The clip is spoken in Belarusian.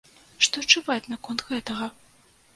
Што чуваць наконт гэтага?